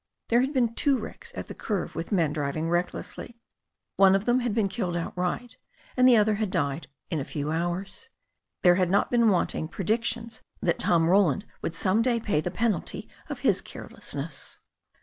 There had been two wrecks at the curve with men driving recklessly. One of them had been Icilled outright, and the other had died in a few hours. There had not been wanting predictions that Tom Roland would some day pay the penalty of his carelessness.